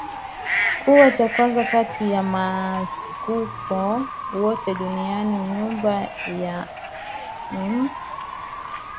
kuwa cha kwanza kati ya maaskofu wote duniani Nyumba ya Mt